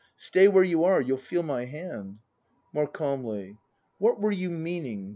Stay where you are! You'll feel my hand! [More calmly.] What were you meaning ?